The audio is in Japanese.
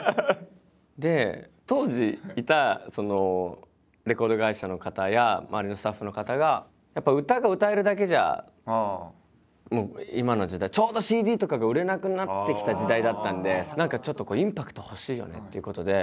で当時いたそのレコード会社の方や周りのスタッフの方がやっぱ歌が歌えるだけじゃもう今の時代ちょうどＣＤとかが売れなくなってきた時代だったんで何かちょっとこうインパクト欲しいよねっていうことで。